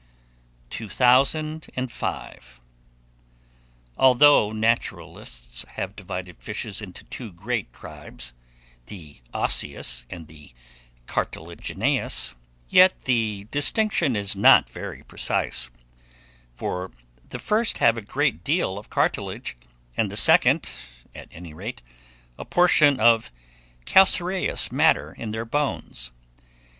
205. ALTHOUGH NATURALISTS HAVE DIVIDED FISHES into two great tribes, the osseous and the cartilaginous, yet the distinction is not very precise; for the first have a great deal of cartilage, and the second, at any rate, a portion of calcareous matter in their bones.